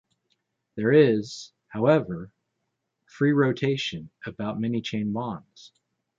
There is, however, free rotation about many chain bonds.